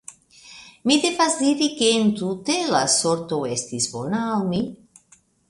Mi devas diri, ke entute la sorto estis bona al mi.